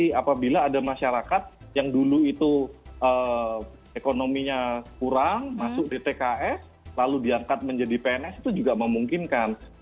tapi apabila ada masyarakat yang dulu itu ekonominya kurang masuk di tks lalu diangkat menjadi pns itu juga memungkinkan